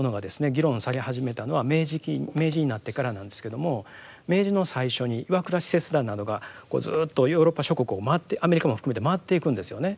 議論され始めたのは明治期明治になってからなんですけれども明治の最初に岩倉使節団などがこうずっとヨーロッパ諸国を回ってアメリカも含めて回っていくんですよね。